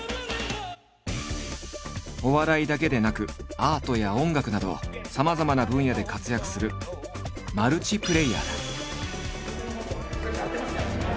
お笑いだけでなくアートや音楽などさまざまな分野で活躍するマルチプレイヤーだ。